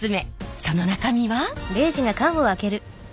その中身は。